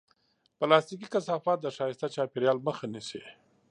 پلاستيکي کثافات د ښایسته چاپېریال مخه نیسي.